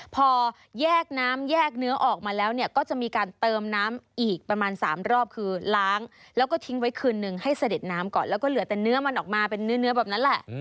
พอแยกน้ำแยกเนื้อออกมาแล้วเนี่ยก็จะมีการเติมน้ำอีกประมาณ๓รอบคือล้างแล้วก็ทิ้งไว้คืนนึงให้เสด็จน้ำก่อนแล้วก็เหลือแต่เนื้อมันออกมาเป็นเนื้อแบบนั้นแหละ